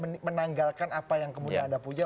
untuk menanggalkan apa yang kemudian anda punya